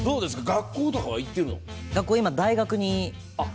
学校とかは行ってるの？